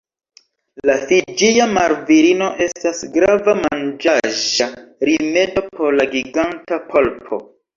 La fiĝia marvirino estas grava manĝaĵa rimedo por la giganta polpo.